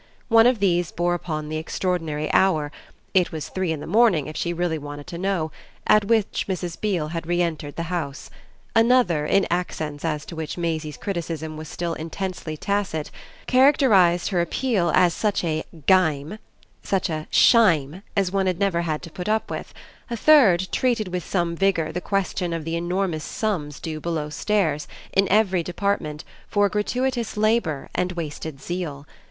One of these bore upon the extraordinary hour it was three in the morning if she really wanted to know at which Mrs. Beale had re entered the house; another, in accents as to which Maisie's criticism was still intensely tacit, characterised her appeal as such a "gime," such a "shime," as one had never had to put up with; a third treated with some vigour the question of the enormous sums due belowstairs, in every department, for gratuitous labour and wasted zeal.